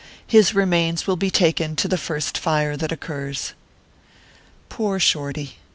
His remains will be taken to the first fire that occurs. Poor Shorty